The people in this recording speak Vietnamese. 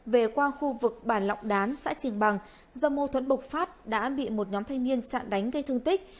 về qua khu vực bản lọc đán xã trình bằng do mô thuẫn bộc phát đã bị một nhóm thanh niên chạm đánh gây thương tích